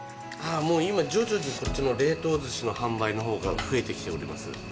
もう今徐々に、こっちの冷凍ずしの販売のほうが増えてきております。